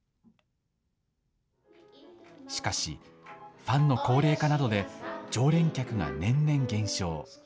しかし、ファンの高齢化などで、常連客が年々減少。